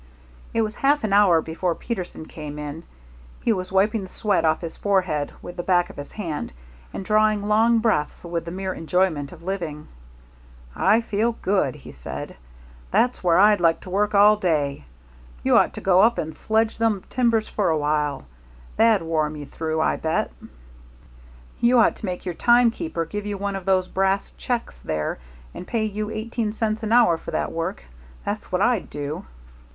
It was half an hour before Peterson came in. He was wiping the sweat off his forehead with the back of his hand, and drawing long breaths with the mere enjoyment of living. "I feel good," he said. "That's where I'd like to work all day. You ought to go up and sledge them timbers for a while. That'd warm you through, I bet." "You ought to make your timekeeper give you one of those brass checks there and pay you eighteen cents an hour for that work. That's what I'd do."